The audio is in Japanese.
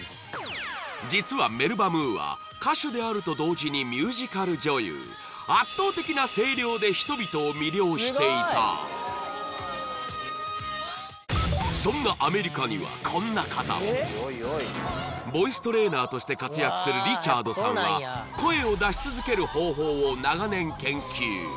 実はメルバ・ムーア歌手であると同時にミュージカル女優していたそんなアメリカにはこんな方もボイストレーナーとして活躍するリチャードさんは声を出し続ける方法を長年研究